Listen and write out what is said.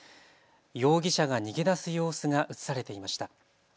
容疑者が逃げ出す様子が映されていました。